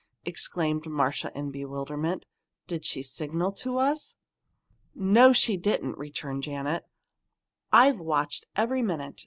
exclaimed Marcia in bewilderment. "Did she signal to us?" "No, she didn't," returned Janet. "I've watched every minute.